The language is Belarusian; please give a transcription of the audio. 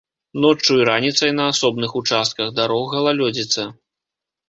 Ноччу і раніцай на асобных участках дарог галалёдзіца.